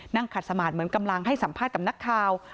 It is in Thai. นั่งขัดสมาธิเหมือนกำลังให้สัมภาษณ์กับนักข่าว